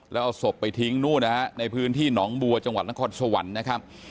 แล้วเอาศพไปทิ้งนู่นนะฮะในพื้นที่หนองบัวจังหวัดนครสวรรค์นะครับ